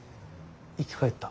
生き返った？